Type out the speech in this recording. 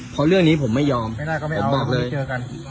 เพราะเรื่องนี้ผมไม่ยอมไม่ได้ก็ไม่เอาบอกเลยเจอกัน